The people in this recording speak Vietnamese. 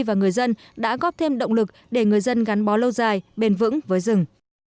và người dân đã góp thêm động lực để người dân gắn bó lâu dài bền vững với rừng